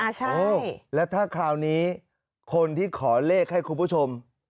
ใช่แล้วถ้าคราวนี้คนที่ขอเลขให้คุณผู้ชม